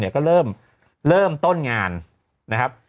ก็เริ่มเริ่มต้นงานนะครับ